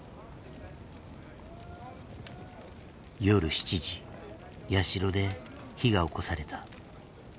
夜７時社で火がおこされた。